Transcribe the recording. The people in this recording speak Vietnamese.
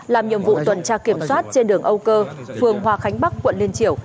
làm nhiệm vụ tuần tra kiểm soát trên đường âu cơ phường hòa khánh bắc quận liên triều